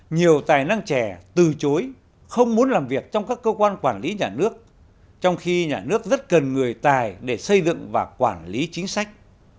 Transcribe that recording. nhiều tài năng trẻ từ chối không muốn làm việc trong các cơ quan quản lý nhà nước trong khi nhà nước rất cần người tài để xây dựng và quản lý chính sách